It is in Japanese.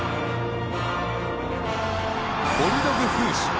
ボルドグフーシュ。